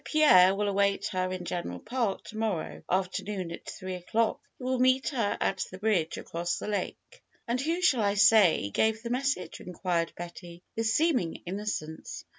Pierre will await her in Central Park to morrow aft ernoon at three o'clock. He will meet her at the bridge across the lake.'^ "And who shall I say gave the message inquired Betty with seeming innocence.